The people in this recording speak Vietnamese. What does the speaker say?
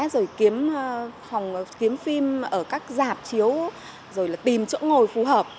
rồi kiếm phim ở các giảm chiếu rồi tìm chỗ ngồi phù hợp